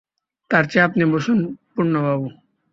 তার চেয়ে আপনি বসুন পূর্ণবাবু!